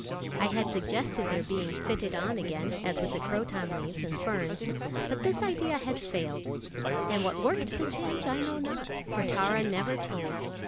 I had suggested their being fitted on again, as with the croton leaves and ferns. But this idea had failed; and what worked the change I know not, for Tara never told.